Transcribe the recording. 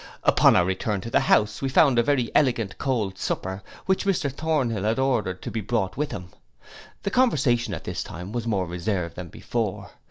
Upon our return to the house, we found a very elegant cold supper, which Mr Thornhill had ordered to be brought with him. The conversation at this time was more reserved than before.